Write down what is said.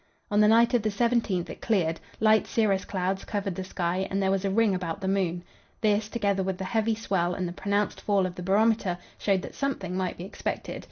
On the night of the 17th it cleared; light cirrus clouds covered the sky, and there was a ring about the moon. This, together with the heavy swell and the pronounced fall of the barometer, showed that something might be expected.